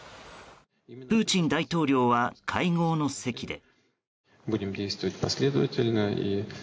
プーチン大統領は会合の席で。